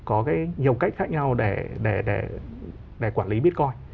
có cái nhiều cách khác nhau để quản lý bitcoin